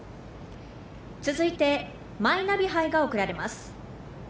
続いて、マイナビ杯が贈られます。